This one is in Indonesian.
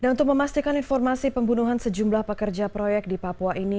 untuk memastikan informasi pembunuhan sejumlah pekerja proyek di papua ini